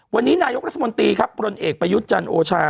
วันนี้นายกรัฐมนตรีครับพลเอกประยุทธ์จันทร์โอชา